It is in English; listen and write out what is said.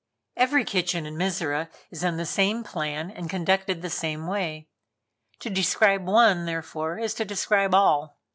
Every kitchen in Mizora is on the same plan and conducted the same way. To describe one, therefore, is to describe all.